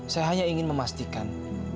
saya hanya ingin memastikan